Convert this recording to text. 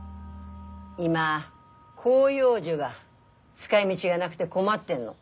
今広葉樹が使いみぢがなくて困ってんの。